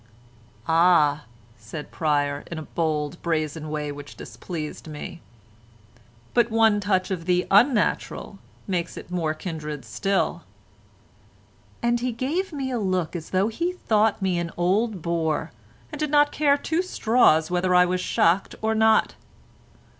"Ah," said Pryer, in a bold, brazen way which displeased me, "but one touch of the unnatural makes it more kindred still," and he gave me a look as though he thought me an old bore and did not care two straws whether I was shocked or not.